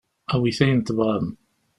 Awit ayen tebɣam.